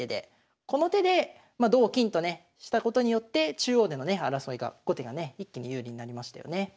この手でまあ同金とねしたことによって中央でのね争いが後手がね一気に有利になりましたよね。